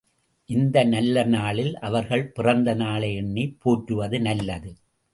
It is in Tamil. இந்த நல்ல நாளில் அவர்கள் பிறந்த நாளை எண்ணிப் போற்றுவது நல்லது.